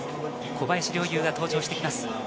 小林陵侑が登場します。